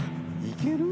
いける？